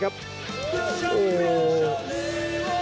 โอ้โห